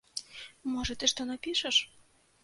Можа, ты што напішаш?